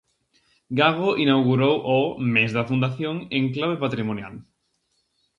Gago inaugurou o "Mes da fundación" en clave patrimonial.